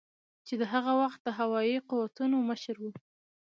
چې د هغه وخت د هوایي قوتونو مشر ؤ